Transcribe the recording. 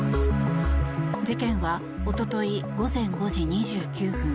事件はおととい午前５時２９分